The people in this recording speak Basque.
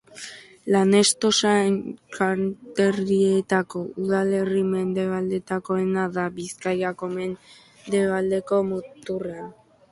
Lanestosa Enkarterrietako udalerri mendebaldekoena da, Bizkaiko mendebaldeko muturrean.